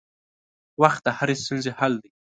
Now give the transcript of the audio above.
وخت د هرې ستونزې حل دی.